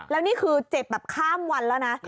แล้วนี่คือเจ็บแบบข้ามวันแล้วนะ